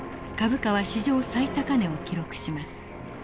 株価は史上最高値を記録します。